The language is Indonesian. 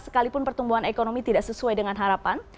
sekalipun pertumbuhan ekonomi tidak sesuai dengan harapan